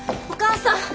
お母さん！